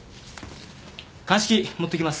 鑑識に持っていきます。